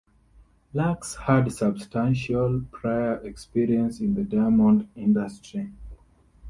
Lux had substantial prior experience in the diamond industry.